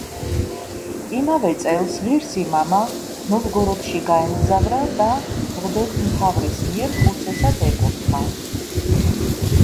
იმავე წელს ღირსი მამა ნოვგოროდში გაემგზავრა და მღვდელმთავრის მიერ ხუცესად ეკურთხა.